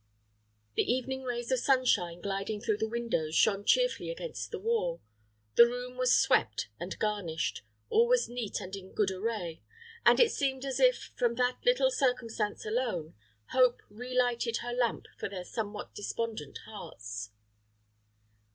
The evening rays of sunshine gliding through the windows shone cheerfully against the wall; the room was swept and garnished. All was neat and in good array; and it seemed as if, from that little circumstance alone, Hope relighted her lamp for their somewhat despondent hearts.